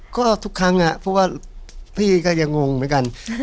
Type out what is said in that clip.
ก็ทุกครั้งเพราะว่าพี่ก็ยังงงเหมือนกัน